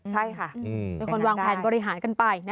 เป็นคนวางแผนบริหารกันไป